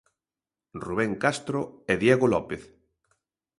Rubén Castro e Diego López.